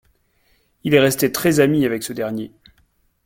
Il est resté très ami avec ce dernier.